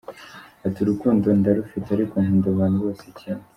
Ati “Urukundo ndarufite ariko nkunda abantu bose kimwe.